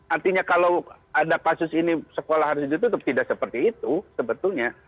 artinya kalau ada kasus ini sekolah harus ditutup tidak seperti itu sebetulnya